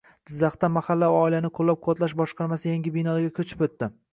Jizzaxda mahalla va oilani qo‘llab-quvvatlash boshqarmasi yangi binoga ko‘chib o‘tdi